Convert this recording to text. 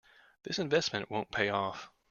This investment won't pay off.